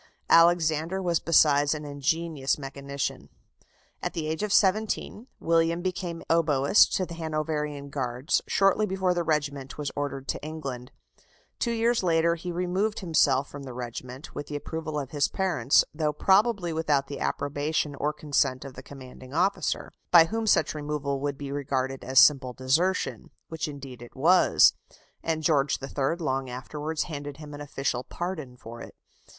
Alexander was besides an ingenious mechanician. At the age of seventeen, William became oboist to the Hanoverian Guards, shortly before the regiment was ordered to England. Two years later he removed himself from the regiment, with the approval of his parents, though probably without the approbation or consent of the commanding officer, by whom such removal would be regarded as simple desertion, which indeed it was; and George III. long afterwards handed him an official pardon for it.